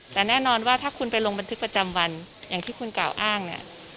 แต่แน่นอนว่าถ้าคุณไปลงบันทึกประจำวันอย่างที่คุณกล่าวอ้างเนี่ย